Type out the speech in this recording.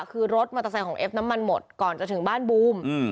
คือรถมอเตอร์ไซค์ของเอฟน้ำมันหมดก่อนจะถึงบ้านบูม